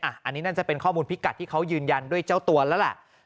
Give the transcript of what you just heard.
อันนี้นั่นจะเป็นข้อมูลพิกัดที่เขายืนยันด้วยเจ้าตัวแล้วแหละ